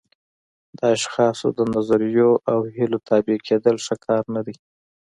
د اشخاصو د نظریو او هیلو تابع کېدل ښه کار نه دی.